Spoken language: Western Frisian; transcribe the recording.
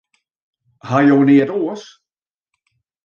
Ha jo neat oars?